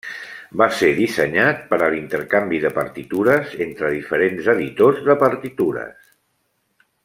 Va ser dissenyat per a l'intercanvi de partitures entre diferents editors de partitures.